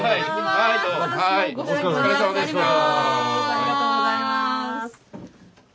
ありがとうございます。